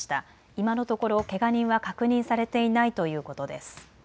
今のところけが人は確認されていないということです。